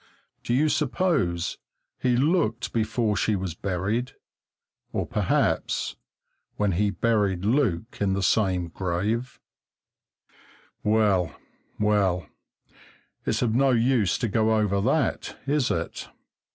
Do you suppose he looked before she was buried? Or perhaps when he buried Luke in the same grave Well, well, it's of no use to go over that, is it?